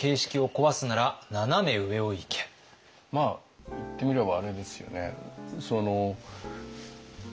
まあ言ってみればあれですよね。